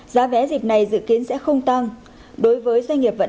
giá vé dịp này dự kiến sẽ không tăng giá vé